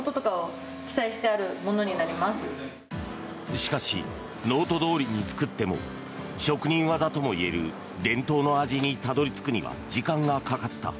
しかしノートどおりに作っても職人技ともいえる伝統の味にたどり着くには時間がかかった。